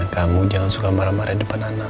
kamu jangan suka marah marah depan anak